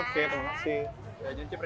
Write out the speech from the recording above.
tidak ada yang tidak bisa dikawal